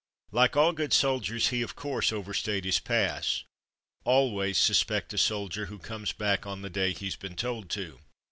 Like all good soldiers he, of course, overstayed his pass. (Always suspect a soldier who comes back on the day he's been told to.)